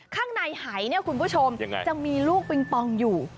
ข้างในหายเนี่ยคุณผู้ชมจะมีลูกปิงปองอยู่